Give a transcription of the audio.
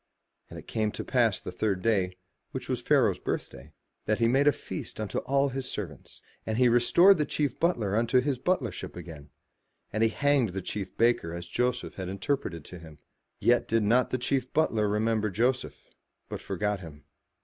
And it came to pass the third day, which was Pharaoh's birthday, that he made a feast unto all his servants. And he restored the chief butler unto his butlership again; but he hanged the chief baker as Joseph had interpreted to him. Yet did not the chief butler remember Joseph, but forgat him.